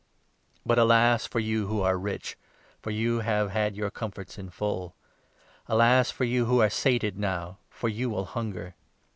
The But 'alas for you who are rich,' for you have 24 unhappy, had your comforts in full. Alas for you who are sated now, for you will hunger.